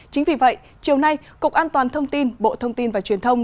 chính vì vậy chiều nay cục an toàn thông tin bộ thông tin và truyền thông